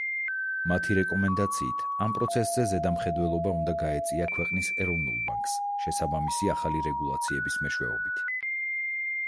მათი რეკომენდაციით ამ პროცესზე ზედამხედველობა უნდა გაეწია ქვეყნის ეროვნულ ბანკს, შესაბამისი ახალი რეგულაციების მეშვეობით.